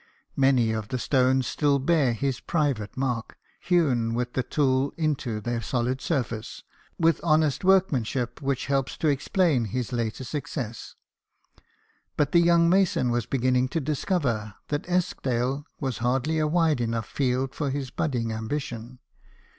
Many of the stones still bear his private mark, hewn with the tool into their solid surface, with honest workmanship which helps to explain his later success. But the young mason was beginning to discover that Eskdale was hardly a wide enough field for his budding ambition.